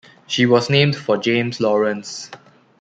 She was named for James Lawrence.